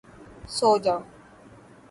سو جاؤ!